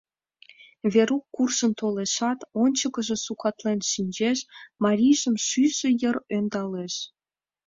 — Верук куржын толешат, ончыкыжо сукалтен шинчеш, марийжым шӱйжӧ йыр ӧндалеш.